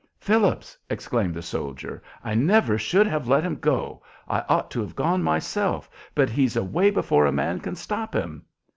"Phillips," exclaimed the soldier, "I never should have let him go. I ought to have gone myself; but he's away before a man can stop him."